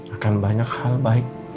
akan banyak hal baik